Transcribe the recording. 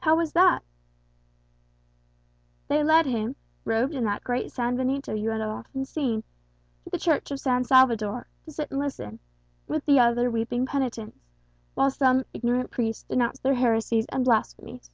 "How was that?" "They led him, robed in that great sanbenito you have often seen, to the Church of San Salvador, to sit and listen, with the other weeping penitents, while some ignorant priest denounced their heresies and blasphemies.